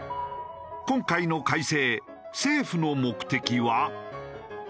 今回の改正政府の目的は？